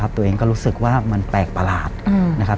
ตัวเองก็รู้สึกว่ามันแปลกประหลาดนะครับ